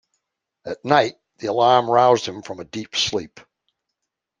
At night the alarm roused him from a deep sleep.